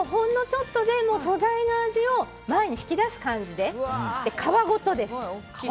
ちょっとで素材の味を前に引き出す感じで皮ごとです。